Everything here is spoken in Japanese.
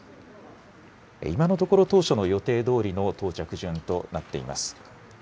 今のところ、当初の予定どおりの到着順となっています。